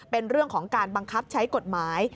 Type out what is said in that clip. เป็นเรื่องของการบังคับใช้กฎหมาย